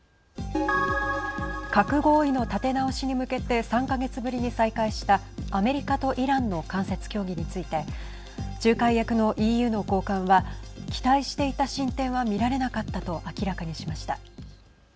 核合意の立て直しに向けて３か月ぶりに再開したアメリカとイランの間接協議について仲介役のＥＵの高官は期待していた進展は見られなかったと明らかにしました。